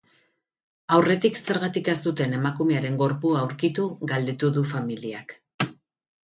Aurretik zergatik ez duten emakumearen gorpua aurkitu galdetu du familiak.